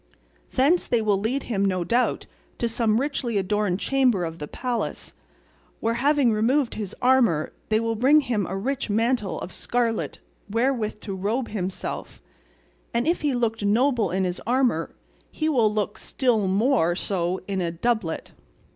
Thence they will lead him, no doubt, to some richly adorned chamber of the palace, where, having removed his armour, they will bring him a rich mantle of scarlet wherewith to robe himself, and if he looked noble in his armour he will look still more so in a doublet.